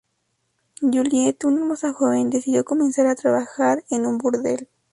Juliette, una hermosa joven, decidió comenzar a trabajar en un burdel.